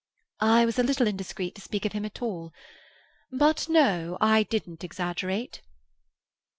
"I was a little indiscreet to speak of him at all. But no, I didn't exaggerate."